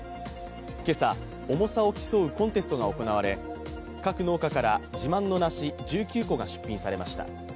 今朝、重さを競うコンテストが行われ各農家から自慢の梨１９個が出品されました。